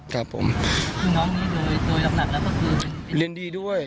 ครับผมคือน้องนี้โดยโดยหลักแล้วก็คือเรียนดีด้วย